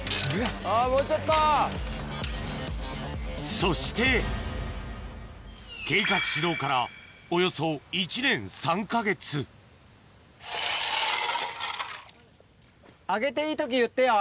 そして計画始動からおよそ１年３か月上げていい時言ってよ。